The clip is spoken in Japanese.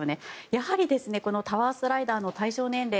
やはりタワースライダーの対象年齢